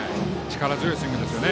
力強いスイングです。